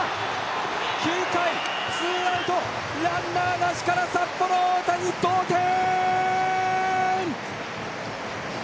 ９回ツーアウトランナーなしから札幌大谷、同点！！